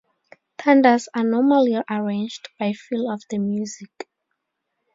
Tandas are normally arranged by feel of the music.